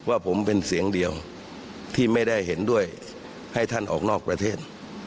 ว่าผมเป็นเสียงเดียวที่ไม่ได้เห็นด้วยให้ท่านออกนอกประเทศ